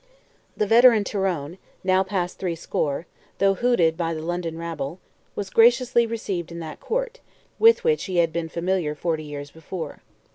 The veteran Tyrone, now past threescore, though hooted by the London rabble, was graciously received in that court, with which he had been familiar forty years before.